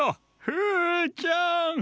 フーちゃん！